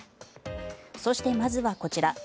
そして、まずはこちら。